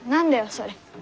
それ。